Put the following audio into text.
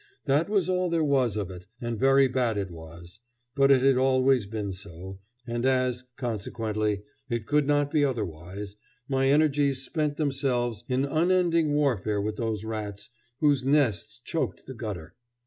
That was all there was of it, and very bad it was; but it had always been so, and as, consequently, it could not be otherwise, my energies spent themselves in unending warfare with those rats, whose nests choked the gutter.